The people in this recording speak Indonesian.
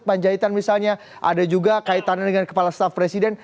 panjaitan misalnya ada juga kaitannya dengan kepala staff presiden